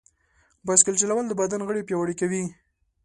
بایسکل چلول د بدن غړي پیاوړي کوي.